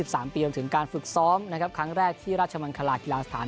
กำถึงการฝึกซ้อมครั้งแรกที่ราชบัญคลาศครัศทาน